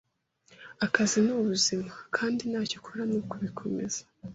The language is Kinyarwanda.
Akazi nubuzima, kandi ntacyo ukora nukubikomeza